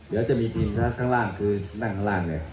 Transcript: เดี๋ยวจะมีทีมข้างล่างคือนั่งข้างล่างเนี่ย